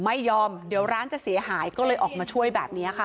ไม่ยอมเดี๋ยวร้านจะเสียหายก็เลยออกมาช่วยแบบนี้ค่ะ